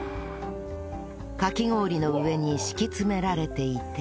かき氷の上に敷き詰められていて